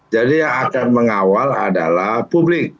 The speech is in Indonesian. jadi yang akan mengawal adalah publik